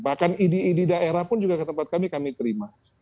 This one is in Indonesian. bahkan idi idi daerah pun juga ke tempat kami kami terima